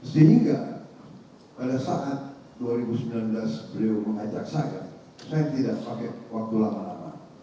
sehingga pada saat dua ribu sembilan belas beliau mengajak saya saya tidak pakai waktu lama lama